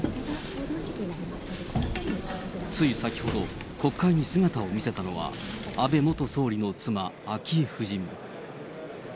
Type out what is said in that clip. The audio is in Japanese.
つい先ほど、国会に姿を見せたのは、安倍元総理の妻、昭恵夫人。